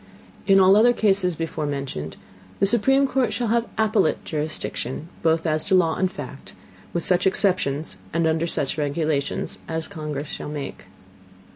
In all the other Cases before mentioned, the supreme Court shall have appellate Jurisdiction, both as to Law and Fact, with such Exceptions, and under such Regulations as the Congress shall make.